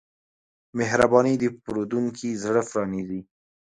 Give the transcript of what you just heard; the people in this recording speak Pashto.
مهرباني د پیرودونکي زړه پرانیزي.